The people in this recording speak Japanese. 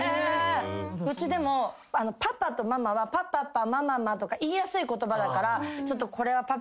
うちでもパパとママはパパパマママとか言いやすい言葉だから「これはパパって言ってんのかな？」